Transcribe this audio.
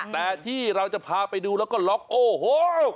แต่ที่เราจะพาไปดูแล้วก็ล็อกโอ้โห